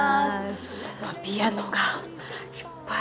ピアノがいっぱい。